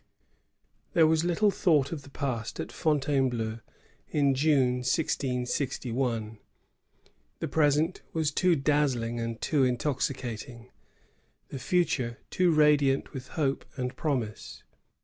There was little thought of the past at Fontainebleau in Jime, 1661. The present was too dazzling and too intoxicating; the future, too radiant with hope and promise.